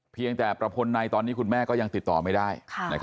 เพียงแต่ประพลในตอนนี้คุณแม่ก็ยังติดต่อไม่ได้